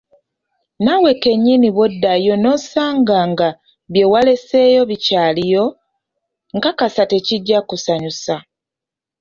Naawe kennyini bwoddayo nosanga nga byewaleseeyo bikyaliyo, nkakasa tekijja kukusanyusa.